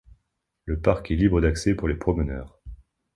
Le parc est libre d'accès pour les promeneurs.